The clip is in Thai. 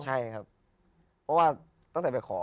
ใช่ครับเพราะว่าตั้งแต่ไปขอ